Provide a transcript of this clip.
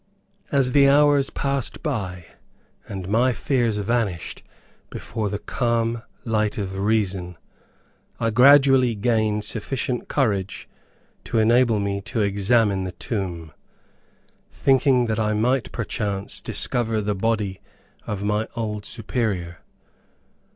As the hours passed by and my fears vanished before the calm light of reason, I gradually gained sufficient courage to enable me to examine the tomb, thinking that I might perchance discover the body of my old Superior.